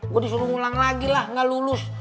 gue disuruh ngulang lagi lah nggak lulus